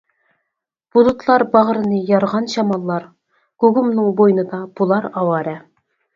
بۇلۇتلار باغرىنى يارغان شاماللار، گۇگۇمنىڭ بوينىدا بولار ئاۋارە.